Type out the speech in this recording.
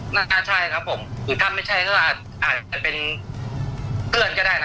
น่าใช่ครับผมคือถ้าไม่ใช่ก็อาจจะเป็นเพื่อนก็ได้นะ